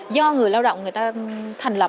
do người lao động người ta thành lập